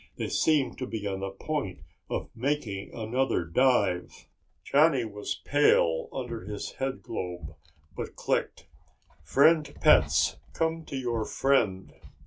They seemed to be on the point of making another dive. Johnny was pale under his headglobe, but clicked, "Friend pets, come to your friend."